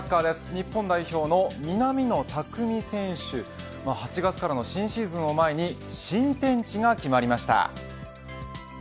日本代表の南野拓実選手８月からの新シーズンを前に新天地が決まりました。